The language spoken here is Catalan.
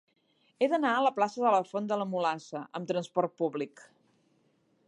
He d'anar a la plaça de la Font de la Mulassa amb trasport públic.